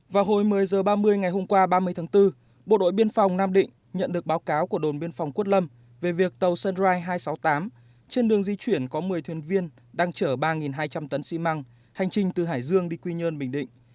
vào hồi một mươi h ba mươi ngày hôm qua ba mươi tháng bốn bộ đội biên phòng nam định nhận được báo cáo của đồn biên phòng quất lâm về việc tàu sunrise hai trăm sáu mươi tám trên đường di chuyển có một mươi thuyền viên đang chở ba hai trăm linh tấn xi măng hành trình từ hải dương đi quy nhơn bình định